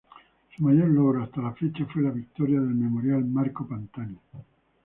Su mayor logro hasta la fecha fue la victoria del Memorial Marco Pantani.